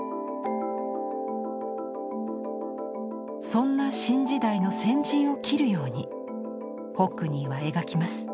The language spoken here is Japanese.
そんな新時代の先陣を切るようにホックニーは描きます。